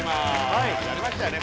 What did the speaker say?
はいやりましたよね